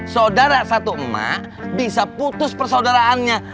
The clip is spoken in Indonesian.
sodara satu emak bisa putus persodaraannya